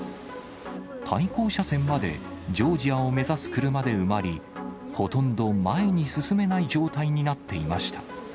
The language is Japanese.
対向車線までジョージアを目指す車で埋まり、ほとんど前に進めない状態になっていました。